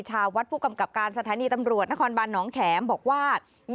ชาวัดผู้กำกับการสถานีตำรวจนครบันน้องแข็มบอกว่า